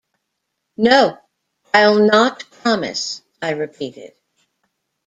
‘No, I’ll not promise,’ I repeated.